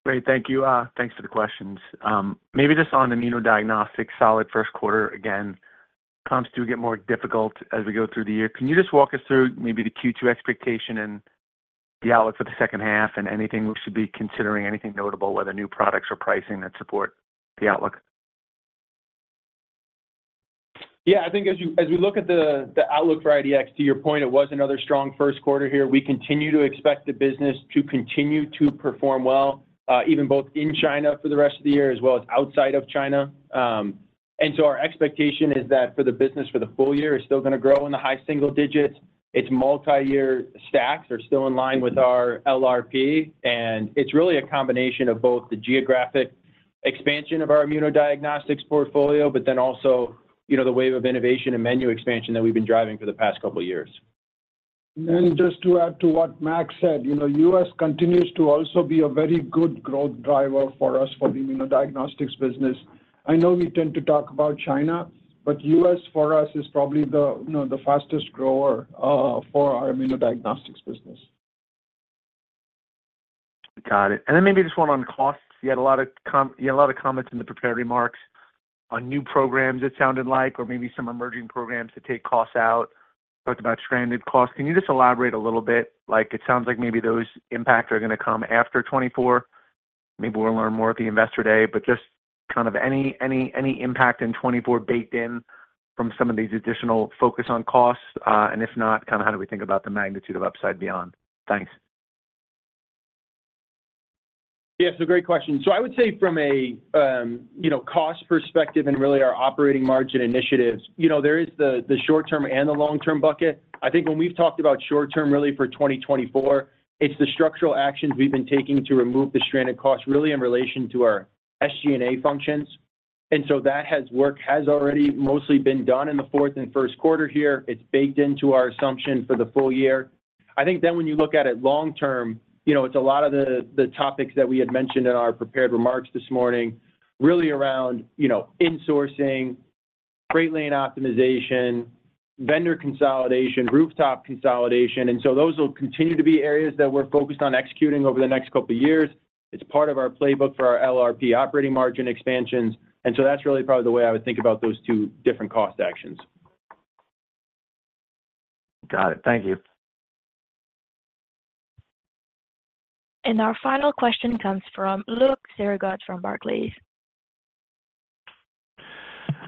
Great. Thank you. Thanks for the questions. Maybe just on immunodiagnostics, solid first quarter, again, comes to get more difficult as we go through the year. Can you just walk us through maybe the Q2 expectation and the outlook for the second half and anything we should be considering, anything notable, whether new products or pricing that support the outlook? Yeah. I think as we look at the outlook for IDS, to your point, it was another strong first quarter here. We continue to expect the business to continue to perform well, even both in China for the rest of the year as well as outside of China. And so our expectation is that for the business for the full year, it's still going to grow in the high single digits. Its multi-year stacks are still in line with our LRP. And it's really a combination of both the geographic expansion of our immunodiagnostics portfolio, but then also the wave of innovation and menu expansion that we've been driving for the past couple of years. Then just to add to what Max said, U.S. continues to also be a very good growth driver for us for the immunodiagnostics business. I know we tend to talk about China, but U.S. for us is probably the fastest grower for our immunodiagnostics business. Got it. And then maybe just one on costs. You had a lot of comments in the prepared remarks on new programs, it sounded like, or maybe some emerging programs that take costs out. Talked about stranded costs. Can you just elaborate a little bit? It sounds like maybe those impacts are going to come after 2024. Maybe we'll learn more at the Investor Day, but just kind of any impact in 2024 baked in from some of these additional focus on costs? And if not, kind of how do we think about the magnitude of upside beyond? Thanks. Yeah. It's a great question. So I would say from a cost perspective and really our operating margin initiatives, there is the short-term and the long-term bucket. I think when we've talked about short-term really for 2024, it's the structural actions we've been taking to remove the stranded costs really in relation to our SG&A functions. And so that has already mostly been done in the fourth and first quarter here. It's baked into our assumption for the full year. I think then when you look at it long-term, it's a lot of the topics that we had mentioned in our prepared remarks this morning really around insourcing, freight lane optimization, vendor consolidation, rooftop consolidation. And so those will continue to be areas that we're focused on executing over the next couple of years. It's part of our playbook for our LRP operating margin expansions. And so that's really probably the way I would think about those two different cost actions. Got it. Thank you. Our final question comes from Luke Sergott from Barclays.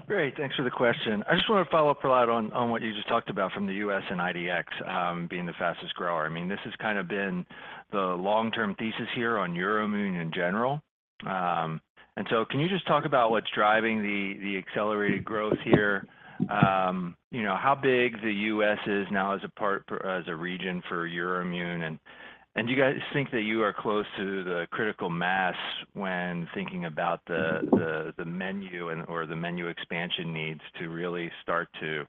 Great. Thanks for the question. I just want to follow up, Prahlad, on what you just talked about from the US and IDX being the fastest grower. I mean, this has kind of been the long-term thesis here on Euroimmun in general. And so can you just talk about what's driving the accelerated growth here? How big the US is now as a region for Euroimmun? And do you guys think that you are close to the critical mass when thinking about the menu or the menu expansion needs to really start to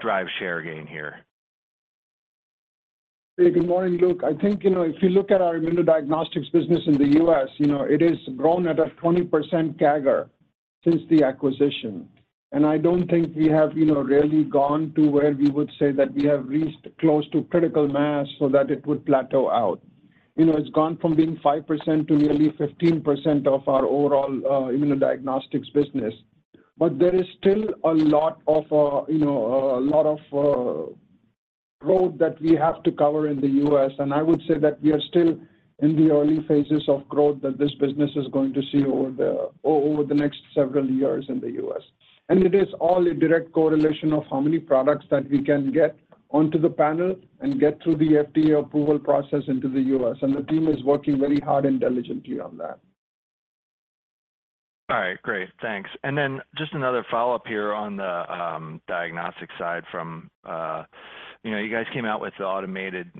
drive share gain here? Good morning, Luke. I think if you look at our immunodiagnostics business in the U.S., it has grown at a 20% CAGR since the acquisition. I don't think we have really gone to where we would say that we have reached close to critical mass so that it would plateau out. It's gone from being 5% to nearly 15% of our overall immunodiagnostics business. There is still a lot of a lot of growth that we have to cover in the U.S. I would say that we are still in the early phases of growth that this business is going to see over the next several years in the U.S. It is all a direct correlation of how many products that we can get onto the panel and get through the FDA approval process into the U.S. The team is working very hard and diligently on that. All right. Great. Thanks. And then just another follow-up here on the diagnostic side. You guys came out with the automated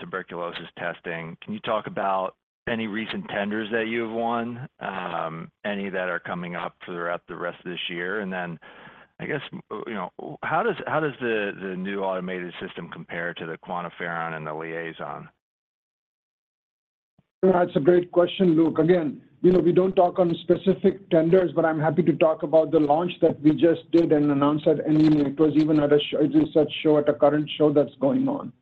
tuberculosis testing. Can you talk about any recent tenders that you've won, any that are coming up throughout the rest of this year? And then I guess how does the new automated system compare to the QuantiFERON and the liaison? That's a great question, Luke. Again, we don't talk on specific tenders, but I'm happy to talk about the launch that we just did and announced at ESCMID. It is such a show at a current show that's going on.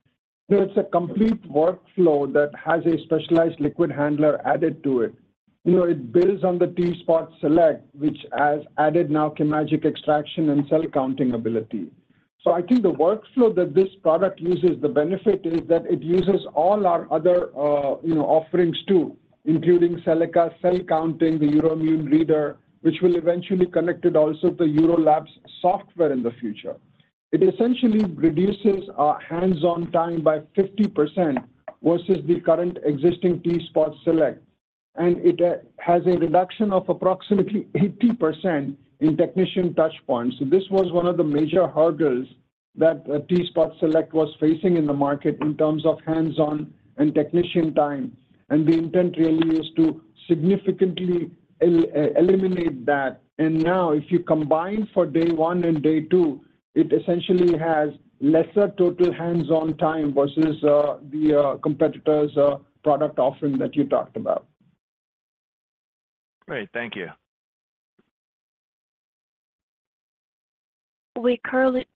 It's a complete workflow that has a specialized liquid handler added to it. It builds on the T-SPOT Select, which has added now chemagic extraction and cell counting ability. So I think the workflow that this product uses, the benefit is that it uses all our other offerings too, including Cellaca, cell counting, the Euroimmun reader, which will eventually connect it also to the Eurolab software in the future. It essentially reduces our hands-on time by 50% versus the current existing T-SPOT Select. And it has a reduction of approximately 80% in technician touchpoints. So this was one of the major hurdles that T-SPOT Select was facing in the market in terms of hands-on and technician time. And the intent really is to significantly eliminate that. And now if you combine for day one and day two, it essentially has lesser total hands-on time versus the competitor's product offering that you talked about. Great. Thank you. We currently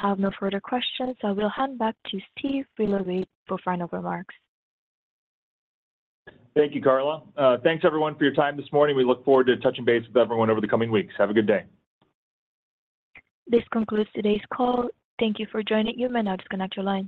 have no further questions. I will hand back to Steve Willoughby for final remarks. Thank you, Karla. Thanks, everyone, for your time this morning. We look forward to touching base with everyone over the coming weeks. Have a good day. This concludes today's call. Thank you for joining us. May I now disconnect your line?